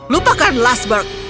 lupakan last board